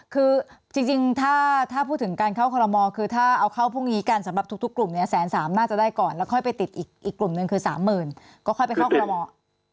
อ๋อคือจริงถ้าถ้าพูดถึงการเข้าคอลโลมอร์คือถ้าเอาเข้าพวกนี้กันสำหรับทุกกลุ่มเนี่ยแสนสามน่าจะได้ก่อนแล้วค่อยไปติดอีกกลุ่มนึงคือสามหมื่นก็ค่อยไปเข้าคอลโลมอร์